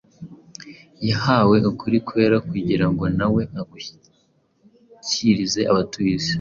yahawe ukuri kwera kugira ngo nawe agushyikirize abatuye isi.